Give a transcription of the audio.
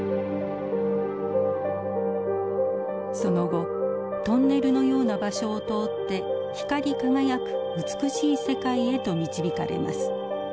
その後トンネルのような場所を通って光り輝く美しい世界へと導かれます。